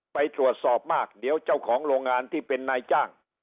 ไปตรวจสอบมากเดี๋ยวเจ้าของโรงงานที่เป็นนายจ้าง